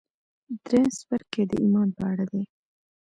درېيم څپرکی د ايمان په اړه دی.